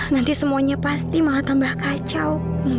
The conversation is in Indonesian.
nanti semuanya pasti malah tambah kacau